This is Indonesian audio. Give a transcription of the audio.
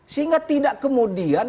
sehingga tidak kemudian